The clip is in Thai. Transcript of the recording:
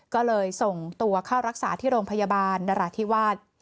ก็เลยส่งตัวเข้ารักษาที่โรงพยาบาลนราธิวาส